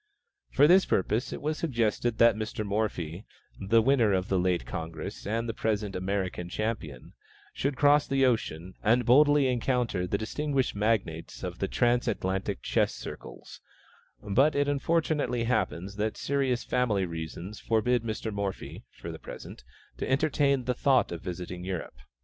For this purpose it was suggested that Mr. Morphy, the winner at the late Congress and the present American champion, should cross the ocean, and boldly encounter the distinguished magnates of the transatlantic chess circles; but it unfortunately happens that serious family reasons forbid Mr. Morphy, for the present, to entertain the thought of visiting Europe.